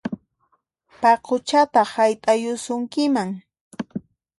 Paquchataq hayt'ayusunkiman!